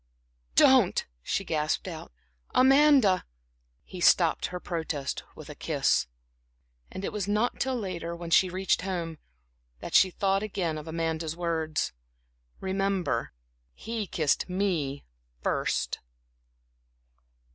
"Don't," she gasped out, "Amanda" He stopped her protest with a kiss. And it was not till later, when she reached home, that she thought again of Amanda's words: "Remember, he kissed me first."